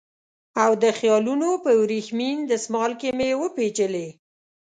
او د خیالونو په وریښمین دسمال کې مې وپېچلې